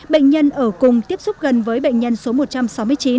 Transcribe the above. bệnh nhân ở cùng tiếp xúc gần với bệnh nhân số một trăm sáu mươi chín